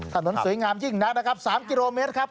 ถนนสวยงามยิ่งหนัก๓กิโลเมตรครับ